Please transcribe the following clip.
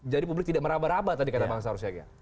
jadi publik tidak meraba raba tadi kata bang saur siagian